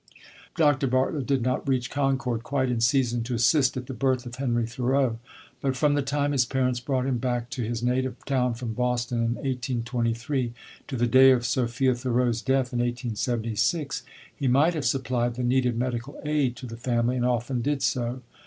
Dr. Bartlett did not reach Concord quite in season to assist at the birth of Henry Thoreau; but from the time his parents brought him back to his native town from Boston, in 1823, to the day of Sophia Thoreau's death, in 1876, he might have supplied the needed medical aid to the family, and often did so.